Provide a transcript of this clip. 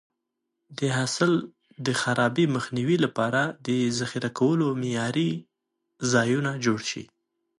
د حاصل د خرابي مخنیوي لپاره د ذخیره کولو معیاري ځایونه جوړ شي.